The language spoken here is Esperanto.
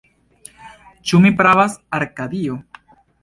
Ĉu mi pravas, Arkadio?